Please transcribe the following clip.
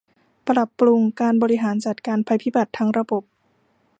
ปรับปรุงการบริหารจัดการภัยพิบัติทั้งระบบ